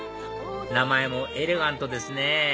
名前もエレガントですね